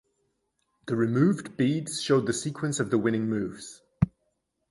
The removed beads showed the sequence of the winning moves.